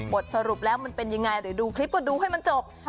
บทสรุปแล้วมันเป็นยังไงหรือดูคลิปก็ดูให้มันจบ